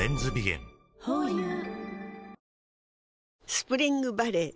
スプリングバレー